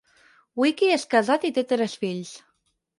Wicki és casat i té tres fills.